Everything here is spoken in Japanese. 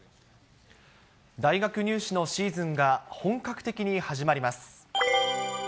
大学入試のシーズンが本格的に始まります。